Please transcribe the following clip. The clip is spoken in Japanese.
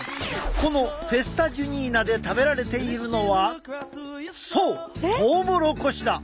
このフェスタ・ジュニーナで食べられているのはそうトウモロコシだ！